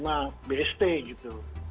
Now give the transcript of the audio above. mereka tidak menerima bst gitu